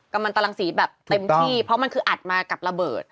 กำลังตรังสีแบบเต็มที่เพราะมันคืออัดมากับระเบิด